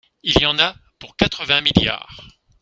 Et il y en a pour quatre-vingts milliards